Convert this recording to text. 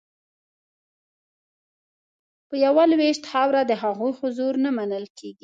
په یوه لوېشت خاوره د هغوی حضور نه منل کیږي